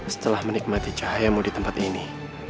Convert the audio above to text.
setelah menikmati cahayamu di tempat ini